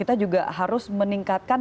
riset dan juga bagaimana bisa meningkatkan